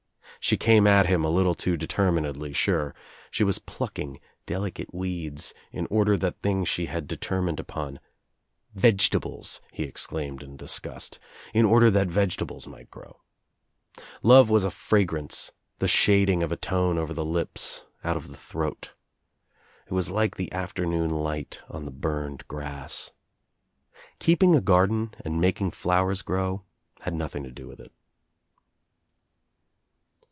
She came at him a little too determinedly — sure. She was plucking deli cate weeds in order that things she had determined upon — "vegetables," he exclaimed in disgust — in order that vegetables might grow. Love was a fragrance, the shading of i tone over the lips, out of the throat. It was like the afternoon light on the burned grass, Keeping a garden and making flowers grow had noth ing to do with it.